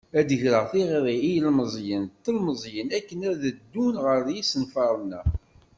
Ad d-greɣ tiɣri i yilemẓiyen d tlemẓiyin akken ad d-ddun ɣer yisenfaren-a.